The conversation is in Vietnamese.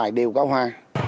mọi đều có hoa